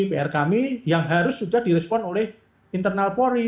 pr kami yang harus sudah direspon oleh internal polri